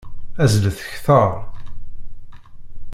Azzlet kteṛ!